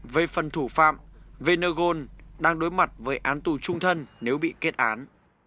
về phần thủ phạm venezon đang đối mặt với án tù trung thân nếu bị kết án